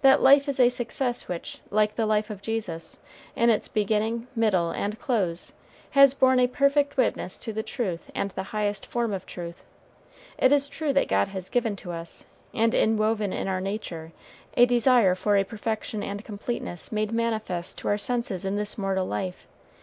That life is a success which, like the life of Jesus, in its beginning, middle, and close, has borne a perfect witness to the truth and the highest form of truth. It is true that God has given to us, and inwoven in our nature a desire for a perfection and completeness made manifest to our senses in this mortal life.